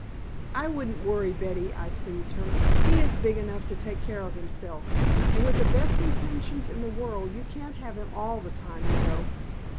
"I wouldn't worry, Betty," I soothed her. "He is big enough to take care of himself. And with the best intentions in the world, you can't have him all the time, you know."